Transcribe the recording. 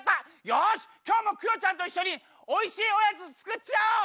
よしきょうもクヨちゃんといっしょにおいしいおやつつくっちゃおう！